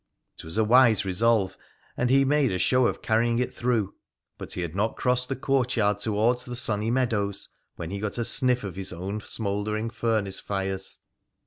It was a wise resolve, and he made a show of carrying it through, but he had not crossed the courtyard towards the sunny meadows when he got a sniff of his own smouldering furnace fires.